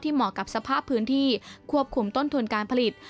เหมาะกับสภาพพื้นที่ควบคุมต้นทุนการผลิต